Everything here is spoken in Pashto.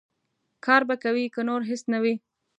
کار به کوې، که نور هېڅ نه وي.